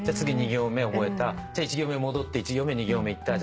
じゃあ１行目戻って１行目２行目いった。